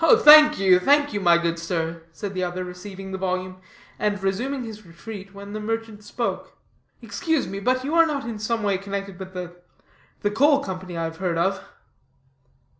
"Thank you, thank you, my good sir," said the other, receiving the volume, and was resuming his retreat, when the merchant spoke: "Excuse me, but are you not in some way connected with the the Coal Company I have heard of?"